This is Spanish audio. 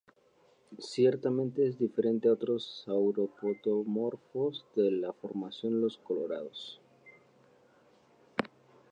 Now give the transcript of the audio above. Ciertamente es diferente a otros sauropodomorfos de la Formación Los Colorados.